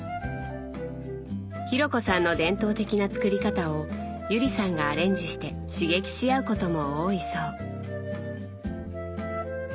紘子さんの伝統的な作り方を友里さんがアレンジして刺激し合うことも多いそう。